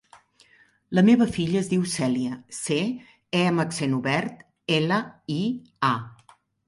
La meva filla es diu Cèlia: ce, e amb accent obert, ela, i, a.